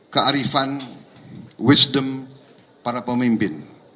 kearifan wisdom para pemimpin